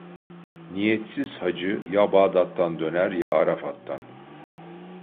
Niyetsiz hacı, ya Bağdat'tan döner ya Arafat'tan.